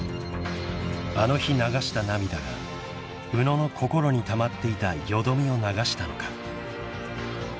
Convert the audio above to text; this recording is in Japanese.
［あの日流した涙が宇野の心にたまっていたよどみを流したのか？］